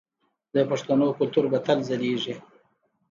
د پښتنو کلتور به تل ځلیږي.